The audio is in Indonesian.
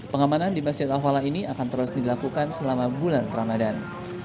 pengamanan di masjid al falah ini akan terus dilakukan selama bulan ramadan